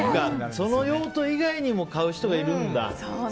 その用途以外にも買う人がいるんだ。